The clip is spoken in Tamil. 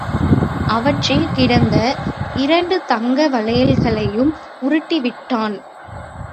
அவற்றில் கிடந்த இரண்டு தங்க வளையல்களையும் உருட்டி விட்டான்.